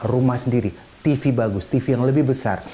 rumah sendiri tv bagus tv yang lebih besar